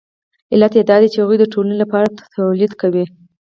علت یې دا دی چې هغوی د ټولنې لپاره تولید کوي